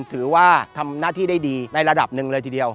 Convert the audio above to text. ถือว่าทำหน้าที่ได้ดีในระดับหนึ่งเลยทีเดียว